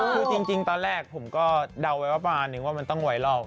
คือจริงตอนแรกผมก็เดาไว้ประมาณนึงว่ามันต้องไวรัล